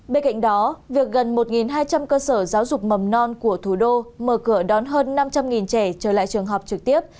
bên cạnh đó việc gần một hai trăm linh cơ sở giáo dục mầm non của thủ đô mở cửa đón hơn năm trăm linh trẻ trở lại trường học trực tiếp